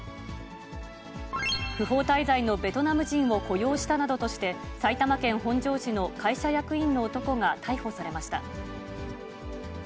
不法滞在のベトナム人を雇用したなどとして、埼玉県本庄市の会社役員の男が逮捕されました。